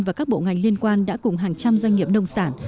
và các bộ ngành liên quan đã cùng hàng trăm doanh nghiệp nông sản